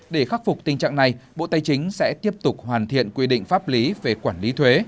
để khắc phục tình trạng này bộ tài chính sẽ tiếp tục hoàn thiện quy định pháp lý về quản lý thuế